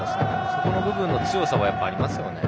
そこの部分の強さはありますよね。